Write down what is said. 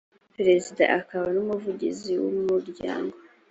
perezida akaba n’umuvugizi w’umuryango